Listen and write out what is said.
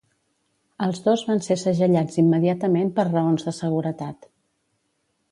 Els dos van ser segellats immediatament per raons de seguretat.